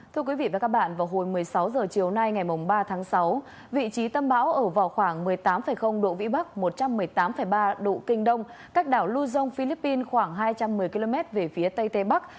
thưa quý vị và các bạn vào hồi một mươi sáu h chiều nay ngày ba tháng sáu vị trí tâm bão ở vào khoảng một mươi tám độ vĩ bắc một trăm một mươi tám ba độ kinh đông cách đảo lưu dông philippines khoảng hai trăm một mươi km về phía tây tây bắc